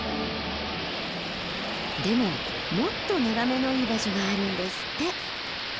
でももっと眺めのいい場所があるんですって。